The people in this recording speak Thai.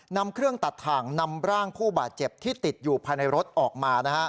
นำเครื่องตัดถ่างนำร่างผู้บาดเจ็บที่ติดอยู่ภายในรถออกมา